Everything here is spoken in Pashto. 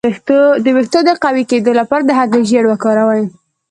د ویښتو د قوي کیدو لپاره د هګۍ ژیړ وکاروئ